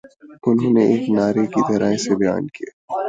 انہوں نے ایک نعرے کی طرح اسے بیان کیا